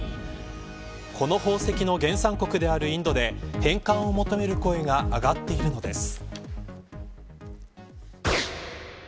この宝石の原産国であるインドで返還を求める声が上がっているのです。